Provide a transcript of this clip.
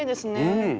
うん！